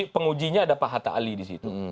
pengujinya ada pak hatta ali di situ